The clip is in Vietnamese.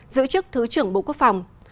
giữ chức thứ trưởng bộ quốc phòng